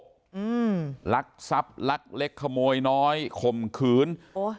อืมลักษับลักเล็กขโมยน้อยคมขืนโอ้โห